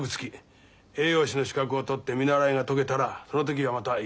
栄養士の資格を取って見習いが解けたらその時はまた一人前として考える。